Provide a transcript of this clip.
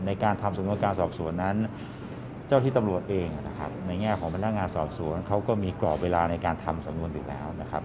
ในการทำสำนวนการสอบสวนนั้นเจ้าที่ตำรวจเองนะครับในแง่ของพนักงานสอบสวนเขาก็มีกรอบเวลาในการทำสำนวนอยู่แล้วนะครับ